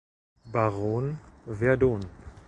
Baron Verdon.